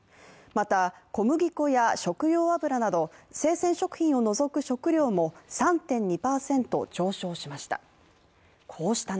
また、小麦粉や食用油など生鮮食品を除く食料も３．２％上昇しました。